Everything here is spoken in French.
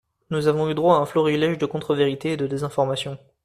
Nous avons eu droit à un florilège de contre-vérités et de désinformation.